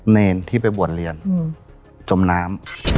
เนรที่ไปบวชเรียนจมน้ำ